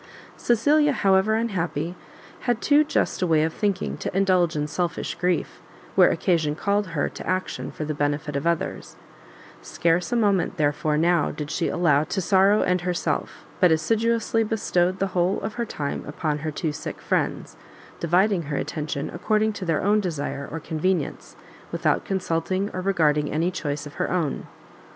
Cecilia, however unhappy, had too just a way of thinking to indulge in selfish grief, where occasion called her to action for the benefit of others: scarce a moment, therefore now did she allow to sorrow and herself, but assiduously bestowed the whole of her time upon her two sick friends, dividing her attention according to their own desire or convenience, without consulting or regarding any choice of her own.